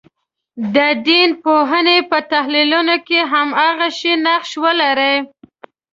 د دین پوهنې په تحلیلونو کې هماغه نقش ولري.